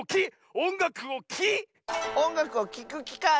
おんがくをきくきかい！